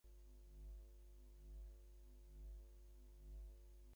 গেতো-সামা যদি সাদাকে কালো বলে, তাহলে সাদা কালোই।